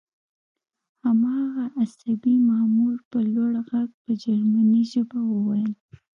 هماغه عصبي مامور په لوړ غږ په جرمني ژبه وویل